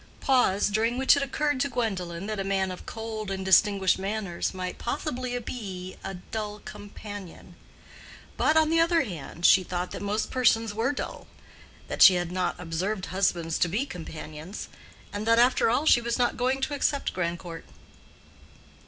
(Pause, during which it occurred to Gwendolen that a man of cold and distinguished manners might possibly be a dull companion; but on the other hand she thought that most persons were dull, that she had not observed husbands to be companions—and that after all she was not going to accept Grandcourt.)